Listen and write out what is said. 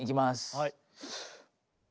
はい。